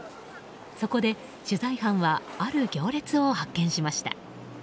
そこで取材班はある行列を発見しました。